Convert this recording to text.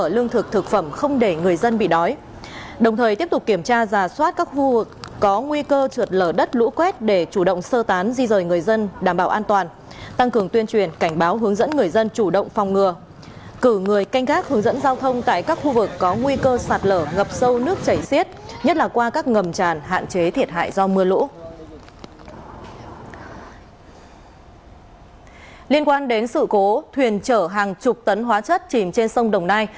liên quan đến sự cố thuyền chở hàng chục tấn hóa chất chìm trên sông đồng nai